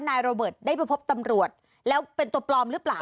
โรเบิร์ตได้ไปพบตำรวจแล้วเป็นตัวปลอมหรือเปล่า